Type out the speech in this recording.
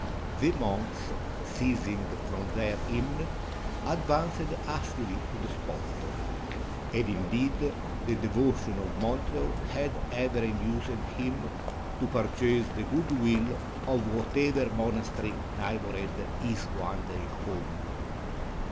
The monks, ceasing from their hymn, advanced hast ily to the spot ; and indeed the devotion of Montreal had ever induced him to purchase the good will of whatever monastery neighbored his wandering home.